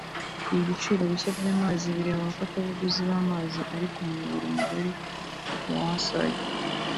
Ibi biciro bishya by’amazi bireba abafatabuguzi b’amazi ari ku muyoboro mugari wa Wasac